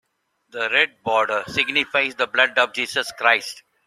The red border signifies the blood of Jesus Christ.